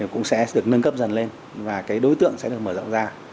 cũng sẽ được nâng cấp dần lên và cái đối tượng sẽ được mở rộng ra